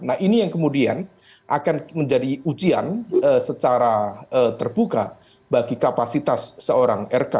nah ini yang kemudian akan menjadi ujian secara terbuka bagi kapasitas seorang rk